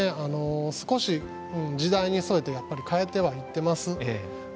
少し時代に沿えてやっぱり変えてはいってます。